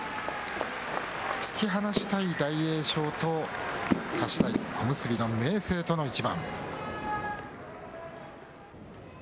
突き放したい大栄翔と差したい小結の明生との一番。